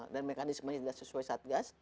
dan mekanisme nya tidak sesuai satgas